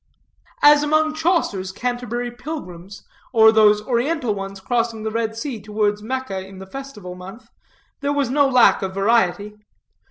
As among Chaucer's Canterbury pilgrims, or those oriental ones crossing the Red Sea towards Mecca in the festival month, there was no lack of variety.